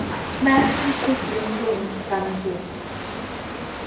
Merch yn plwgio'i thrwyn dan y dŵr.